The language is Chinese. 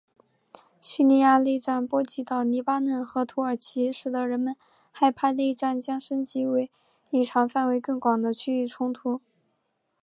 叙利亚内战波及到黎巴嫩和土耳其使得人们害怕内战将升级为一场范围更广的区域冲突。